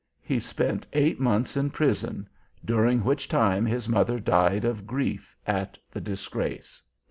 He spent eight months in prison, during which time his mother died of grief at the disgrace.